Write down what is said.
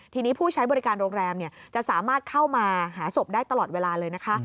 ทีนี้ผู้ใช้บริการโรงแรมจะสามารถเข้ามาหาศพได้ตลอดเวลาเลยนะคะ